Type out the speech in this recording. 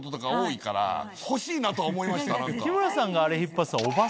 日村さんがあれ引っ張ってたら。